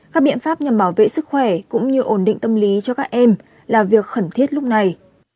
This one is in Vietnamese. các biện pháp nhằm bảo vệ sức khỏe cũng như ổn định tâm lý cho các em là việc khẩn thiết lúc này